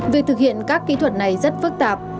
việc thực hiện các kỹ thuật này rất phức tạp